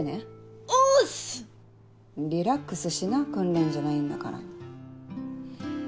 リラックスしな訓練じゃないんだから。